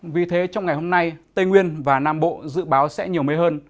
vì thế trong ngày hôm nay tây nguyên và nam bộ dự báo sẽ nhiều mây hơn